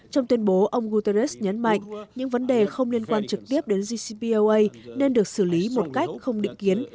trong tuyên bố ông guterres nhấn mạnh những vấn đề không liên quan trực tiếp đến gcpoa nên được xử lý một cách không định kiến